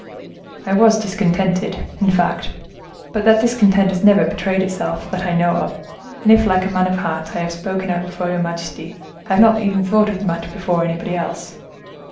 "I was discontented, in fact; but that discontent has never betrayed itself, that I know of, and if, like a man of heart, I have spoken out before your majesty, I have not even thought of the matter before anybody else."